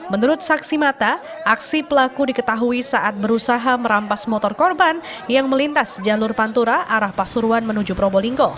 menurut saksi mata aksi pelaku diketahui saat berusaha merampas motor korban yang melintas jalur pantura arah pasuruan menuju probolinggo